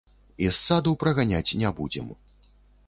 І з саду праганяць не будзем.